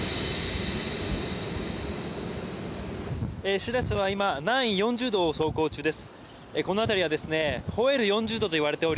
「しらせ」は今南緯４０度を走行中です。